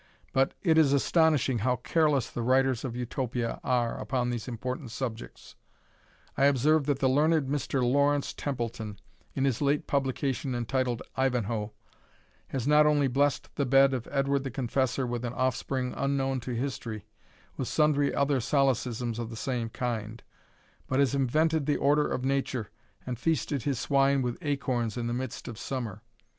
But it is astonishing how careless the writers of Utopia are upon these important subjects. I observe that the learned Mr. Laurence Templeton, in his late publication entitled IVANHOE, has not only blessed the bed of Edward the Confessor with an offspring unknown to history, with sundry other solecisms of the same kind, but has inverted the order of nature, and feasted his swine with acorns in the midst of summer.